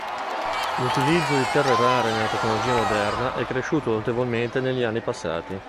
L'utilizzo di terre rare nella tecnologia moderna è cresciuto notevolmente negli anni passati.